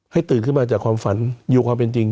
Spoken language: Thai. ตื่นขึ้นมาจากความฝันอยู่ความเป็นจริง